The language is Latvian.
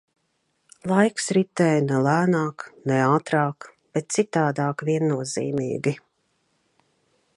Laiks ritēja ne lēnāk, ne ātrāk, bet citādāk viennozīmīgi.